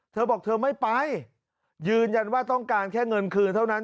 เธอบอกเธอไม่ไปยืนยันว่าต้องการแค่เงินคืนเท่านั้น